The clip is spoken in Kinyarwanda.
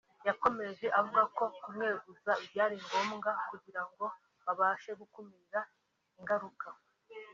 yakomeje avuga ko kumweguza byari ngombwa kugira ngo babashe gukumira ingaruka